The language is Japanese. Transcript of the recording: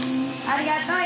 ありがとう。